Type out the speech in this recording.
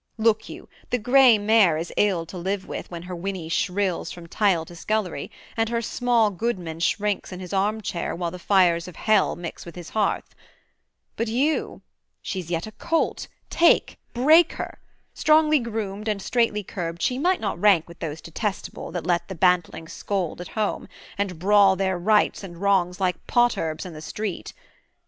Look you! the gray mare Is ill to live with, when her whinny shrills From tile to scullery, and her small goodman Shrinks in his arm chair while the fires of Hell Mix with his hearth: but you she's yet a colt Take, break her: strongly groomed and straitly curbed She might not rank with those detestable That let the bantling scald at home, and brawl Their rights and wrongs like potherbs in the street.